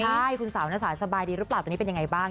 ใช่คุณสาวน้าสายสบายดีหรือเปล่าตอนนี้เป็นยังไงบ้าง